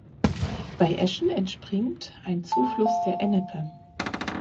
Bei Eschen entspringt ein Zufluss der Ennepe.